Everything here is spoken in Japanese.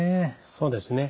そうですね。